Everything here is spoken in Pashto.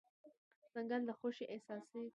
ځنګل د خوښۍ احساس ورکوي.